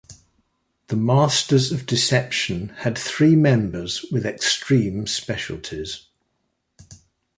The Masters of Deception had three members with extreme specialties.